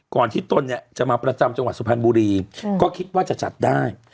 ที่ตนเนี่ยจะมาประจำจังหวัดสุพรรณบุรีก็คิดว่าจะจัดได้